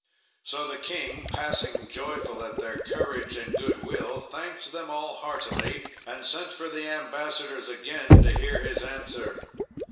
So the king, passing joyful at their courage and good will, thanked them all heartily, and sent for the ambassadors again, to hear his answer.